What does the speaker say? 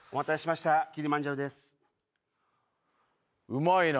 うまいな。